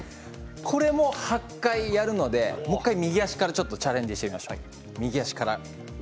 これも８回やるので右足からチャレンジしてみましょう。